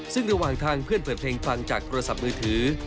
ซึ่งระหว่างทางเพื่อนเปิดเพลงฟังจากโทรศัพท์มือถือ